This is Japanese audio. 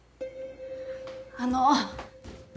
あの。